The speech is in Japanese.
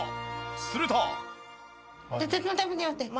すると。